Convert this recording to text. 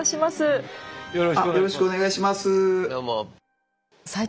あよろしくお願いします。